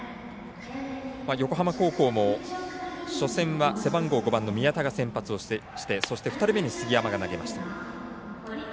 横浜高校も初戦は背番号５番の宮田が先発をして、そして２人目に杉山が投げました。